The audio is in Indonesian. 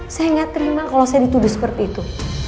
saya nggak terima kalau saya dituduh seperti itu